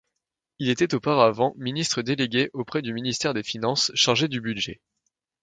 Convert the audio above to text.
Il était auparavant ministre délégué auprès du ministre des Finances, chargé du Budget.